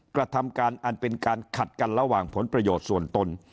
กระทำการอันเป็นการขัดกันระหว่างผลประโยชน์ส่วนตน